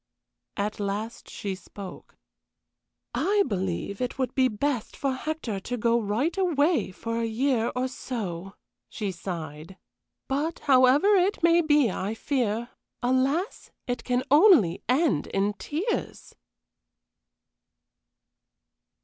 At last she spoke. "I believe it would be best for Hector to go right away for a year or so," she sighed. "But, however it may be, I fear, alas! it can only end in tears."